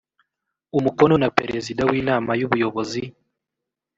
umukono na perezida w inama y ubuyobozi